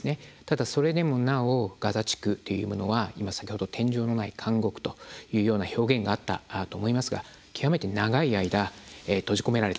それでもなおガザ地区っていうものは先ほど天井のない監獄という表現があったと思いますが極めて長い間閉じ込められている。